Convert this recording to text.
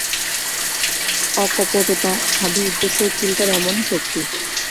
অকপটতা, সাধু উদ্দেশ্য ও চিন্তার এমনই শক্তি।